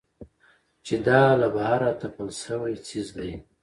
چې دا له بهره تپل شوى څيز دى.